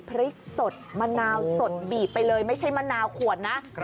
พริกสดมะนาวสดบีบไปเลยไม่ใช่มะนาวขวดนะ